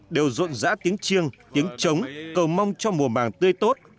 đều rộn rã tiếng chiêng tiếng trống cầu mong cho mùa màng tươi tốt